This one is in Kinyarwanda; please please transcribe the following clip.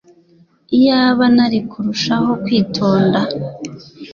Iyaba nari kurushaho kwitonda!